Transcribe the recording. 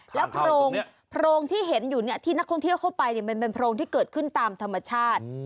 แล้วโพรงที่เห็นอยู่ที่นักท่องเที่ยวเข้าไปมันเป็นโพรงที่เกิดขึ้นตามธรรมชาติ